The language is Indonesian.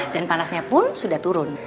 dan panasnya pun sudah turun